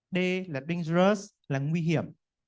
d là dangerous là nguy hiểm